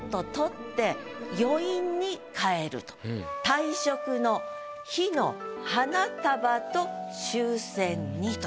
「退職の日の花束と鞦韆に」と。